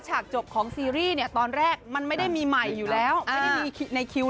ฉกจบของซีรีส์เนี่ยตอนแรกมันไม่ได้มีใหม่อยู่แล้วไม่ได้มีในคิว